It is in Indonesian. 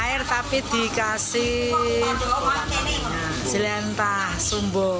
air tapi dikasih selentah sumbo